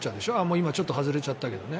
今、ちょっと外れちゃったけど。